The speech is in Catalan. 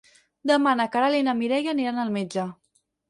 Demà na Queralt i na Mireia aniran al metge.